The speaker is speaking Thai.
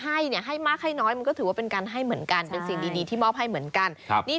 ให้ที่มากให้นายมันก็ถือว่ามันเป็นการให้เหมือนกั่อน